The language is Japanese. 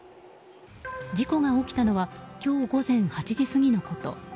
事故が起きたのは今日午前８時過ぎのこと。